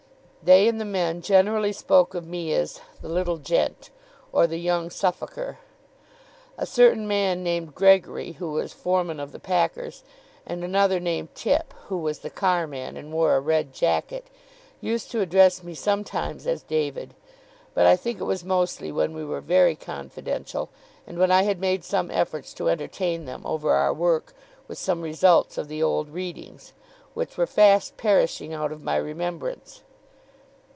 They and the men generally spoke of me as 'the little gent', or 'the young Suffolker.' A certain man named Gregory, who was foreman of the packers, and another named Tipp, who was the carman, and wore a red jacket, used to address me sometimes as 'David': but I think it was mostly when we were very confidential, and when I had made some efforts to entertain them, over our work, with some results of the old readings; which were fast perishing out of my remembrance.